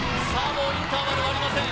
もうインターバルがありません